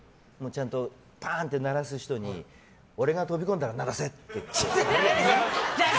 ちゃんとパンって鳴らす人に俺が飛び込んだらずるっ！